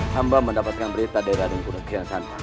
hamba mendapatkan berita dari ratu junti